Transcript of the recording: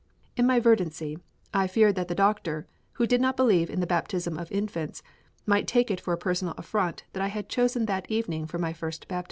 In my verdancy I feared that the Doctor, who did not believe in the baptism of infants, might take it for a personal affront that I had chosen that evening for this my first baptism.